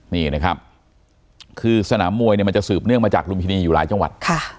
นี่นะครับคือสนามมวยเนี่ยมันจะสืบเนื่องมาจากลุมพินีอยู่หลายจังหวัด